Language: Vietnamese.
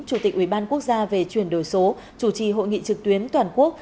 chủ tịch ubnd về chuyển đổi số chủ trì hội nghị trực tuyến toàn quốc